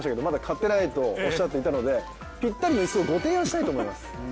まだ買ってないとおっしゃっていたのでぴったりの椅子をご提案したいと思います。